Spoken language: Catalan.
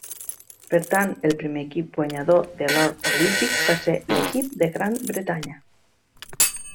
Per tant el primer equip guanyador de l'or olímpic va ser l'equip de Gran Bretanya.